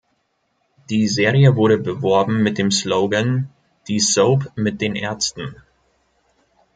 Die Serie wurde beworben mit dem Slogan „Die Soap mit den Ärzten“.